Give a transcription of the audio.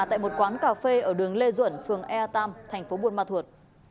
tại một quán cà phê ở đường lê duẩn phường e ba thành phố buôn ma thuột